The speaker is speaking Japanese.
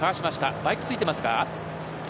バイクついてますか。